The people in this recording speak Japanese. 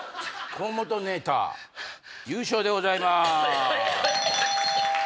河本ネーター優勝でございます。